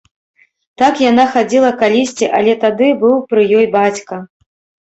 Так яна хадзіла калісьці, але тады быў пры ёй бацька.